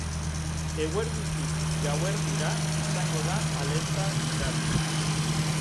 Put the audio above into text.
Eguerditik gauerdira izango da alerta indarrean.